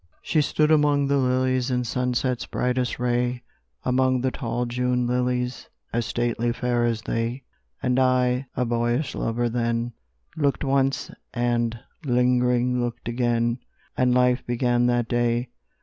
She stood among the lilies In sunset's brightest ray, Among the tall June lilies, As stately fair as they; And I, a boyish lover then, Looked once, and, lingering, looked again, And life began that day.